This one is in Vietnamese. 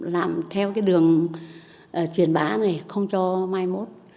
làm theo cái đường truyền bá này không cho mai mốt